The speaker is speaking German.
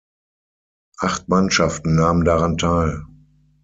Acht Mannschaften nahmen daran teil.